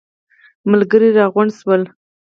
ملګري راغونډ شول.